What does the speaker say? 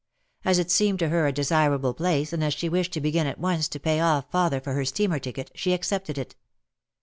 As it seemed to her a desirable place and as she wished to begin at once to pay off father for her steamer ticket, she accepted it.